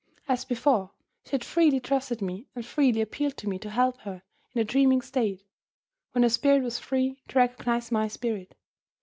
As before, she had freely trusted me and freely appealed to me to help her, in the dreaming state, when her spirit was free to recognize my spirit.